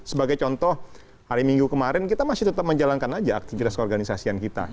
sebagai contoh hari minggu kemarin kita masih tetap menjalankan aja aktivitas keorganisasian kita